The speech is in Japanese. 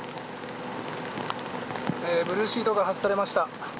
ブルーシートが外されました。